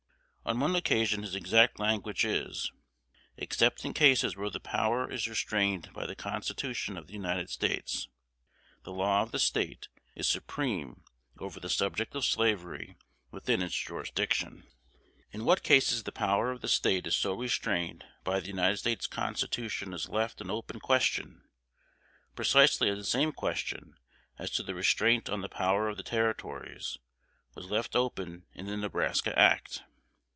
On one occasion his exact language is, "Except in cases where the power is restrained by the Constitution of the United States, the law of the State is supreme over the subject of slavery within its jurisdiction." In what cases the power of the State is so restrained by the United States Constitution is left an open question, precisely as the same question, as to the restraint on the power of the Territories, was left open in the Nebraska Act.